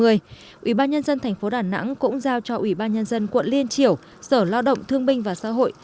ubnd tp đà nẵng cũng giao cho ubnd quận liên triểu sở lao động thương minh và xã hội